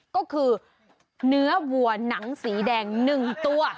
ก็คือเนื้อวัวหนังสีแดง๑ตัว